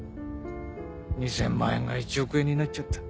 ２０００万円が１億円になっちゃった。